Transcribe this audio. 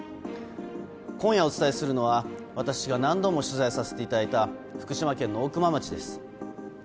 今夜お伝えするのは私が何度も取材させていただいた福島県の大熊町です。